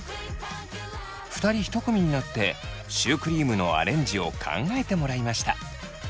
２人１組になってシュークリームのアレンジを考えてもらいました。